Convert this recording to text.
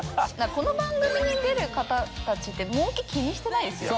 この番組に出る方たちってもうけ気にしてないですよね。